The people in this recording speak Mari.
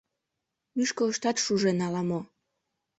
Мӱшкырыштат шужен ала-мо.